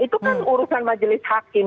itu kan urusan majelis hakim